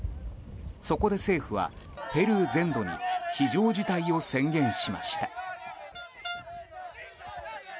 そこで政府は、ペルー全土に非常事態を宣言しました。